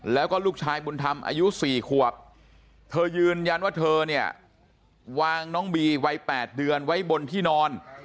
แล้วก็ลูกชายบุญธรรมอายุ๔ขวบเธอยืนยันว่าเธอเนี่ยวางน้องบีวัย๘เดือนไว้บนที่นอน